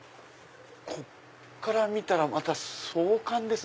こっから見たらまた壮観です